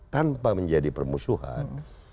tanpa menjadi permusuhan